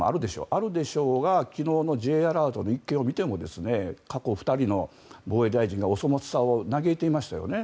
あるでしょうが昨日のＪアラートの一件を見ても過去、２人の防衛大臣がお粗末さを嘆いていましたよね。